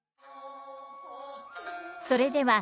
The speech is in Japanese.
それでは「